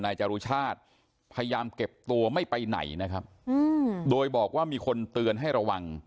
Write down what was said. จรุชาติพยายามเก็บตัวไม่ไปไหนนะครับโดยบอกว่ามีคนเตือนให้ระวัง